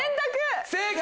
正解！